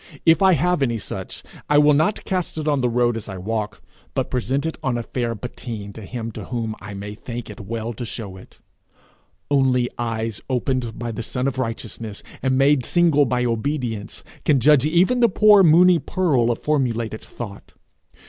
If I have any such, I will not cast it on the road as I walk, but present it on a fair patine to him to whom I may think it well to show it. Only eyes opened by the sun of righteousness, and made single by obedience, can judge even the poor moony pearl of formulated thought.